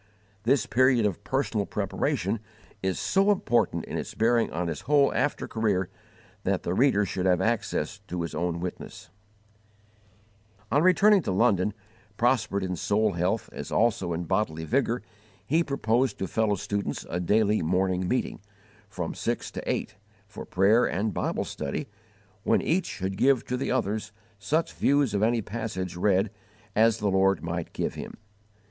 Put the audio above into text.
This period of personal preparation is so important in its bearing on his whole after career that the reader should have access to his own witness.* * See Appendix B. On returning to London, prospered in soul health as also in bodily vigor, he proposed to fellow students a daily morning meeting, from 6 to 8, for prayer and Bible study, when each should give to the others such views of any passage read as the Lord might give him.